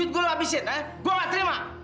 gua gak terima